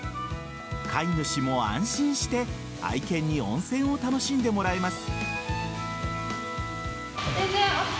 飼い主も安心して愛犬に温泉を楽しんでもらえます。